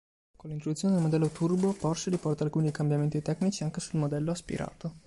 Con l'introduzione del modello Turbo, Porsche riporta alcuni cambiamenti tecnici anche sul modello aspirato.